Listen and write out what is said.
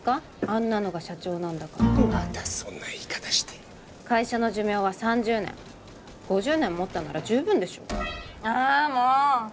あんなのが社長なんだからまたそんな言い方して会社の寿命は３０年５０年もったんなら十分でしょあもお！